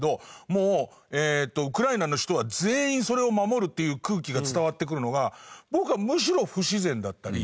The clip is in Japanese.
もうウクライナの人は全員それを守るっていう空気が伝わってくるのが僕はむしろ不自然だったり。